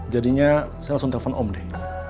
jadinya saya langsung telpon om deh